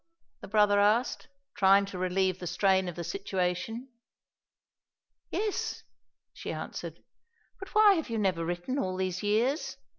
the brother asked, trying to relieve the strain of the situation. "Yes," she answered, "but why have you never written all these years?